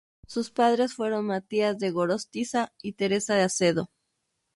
Sus padres fueron Matías de Gorostiza y Teresa de Acedo.